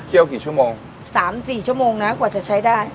กี่ชั่วโมงสามสี่ชั่วโมงนะกว่าจะใช้ได้